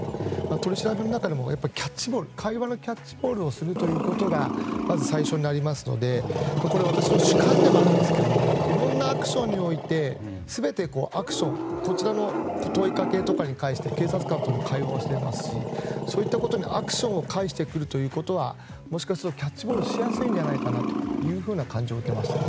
取り調べの中でも会話のキャッチボールをすることがまず最初にありますのでこれ、私の主観でもあるんですがいろんなアクションにおいて全てこちらの問いかけとかに対して警察官とも会話をしていますしそういったことにアクションを返してくるということはもしかするとキャッチボールしやすいのではないかという感じを受けましたね。